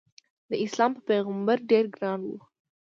داسلام په پیغمبر ډېر ګران و.